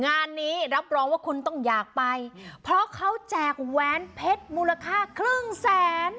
งานนี้รับรองว่าคุณต้องอยากไปเพราะเขาแจกแหวนเพชรมูลค่าครึ่งแสน